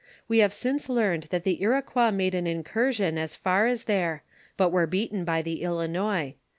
We have since learned that the Iroquois made an incursion as far as there, but were beaten by the Ilinois.